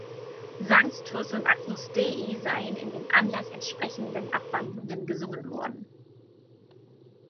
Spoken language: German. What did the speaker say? Sanctus und Agnus Dei seien in dem Anlass entsprechenden Abwandlungen gesungen worden.